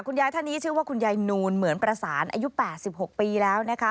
ยายท่านนี้ชื่อว่าคุณยายนูนเหมือนประสานอายุ๘๖ปีแล้วนะคะ